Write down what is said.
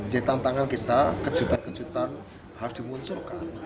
mencetak tangan kita kejutan kejutan harus dimunculkan